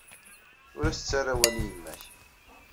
Ur as-ttarra awal i yemma-k.